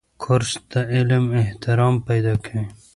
کورس د علم احترام پیدا کوي.